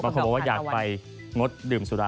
คนบอกว่าอยากไปงดดื่มสุรา